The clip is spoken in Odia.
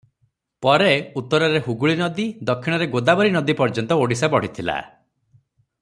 ପରେ ଉତ୍ତରରେ ହୁଗୁଳୀ ନଦୀ, ଦକ୍ଷିଣରେ ଗୋଦାବରୀ ନଦୀ ପର୍ଯ୍ୟନ୍ତ ଓଡିଶା ବଢିଥିଲା ।